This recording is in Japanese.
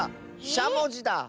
しゃもじだ。